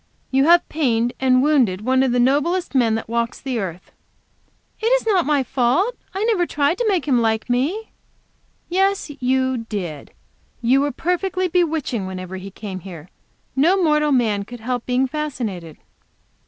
You have pained and wounded one of the noblest men that walks the earth." "It is not my fault. I never tried to make him like me." "Yes, you did. You were perfectly bewitching whenever he came here. No mortal man could help being fascinated."